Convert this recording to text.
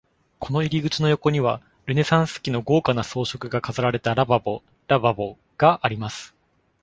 この入り口の横には、ルネサンス期の豪華な装飾が施されたラバボ （Lavabo） があります。